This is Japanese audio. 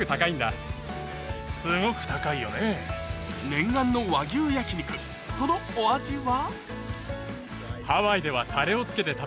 念願の和牛焼き肉そのお味は？